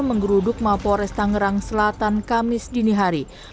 menggeruduk mapo restangerang selatan kamis dini hari